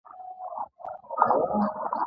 چین د نړۍ لوی اقتصادي شریک دی.